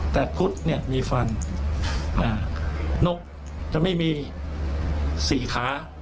แต่ครุฑเนี่ยมีฟันนกจะไม่มีสี่ขา